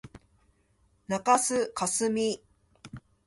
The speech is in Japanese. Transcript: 中須かすみ